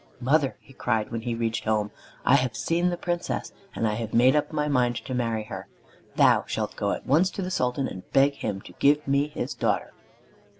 "Mother," he cried when he reached home, "I have seen the Princess, and I have made up my mind to marry her. Thou shalt go at once to the Sultan, and beg him to give me his daughter."